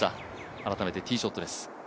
改めてティーショットです。